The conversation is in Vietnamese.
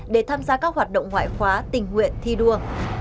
để tham gia các hoạt động ngoại khóa tình nguyện thi đua